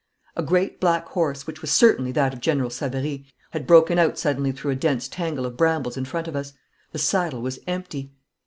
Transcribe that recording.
A great black horse, which was certainly that of General Savary, had broken out suddenly through a dense tangle of brambles in front of us. The saddle was empty.